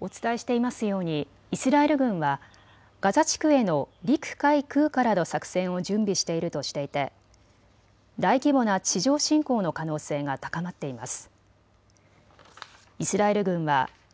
お伝えしていますようにイスラエル軍はガザ地区への陸、海、空からの作戦を準備しているとしていて大規模な地上侵攻の可能性が高まっています。